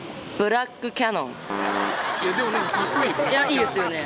いいですよね？